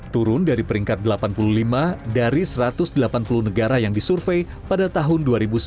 turun dari peringkat delapan puluh lima dari satu ratus delapan puluh negara yang disurvey pada tahun dua ribu sembilan belas